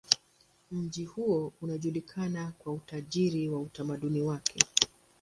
Mji huo unajulikana kwa utajiri wa utamaduni wake.